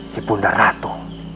di bunda ratu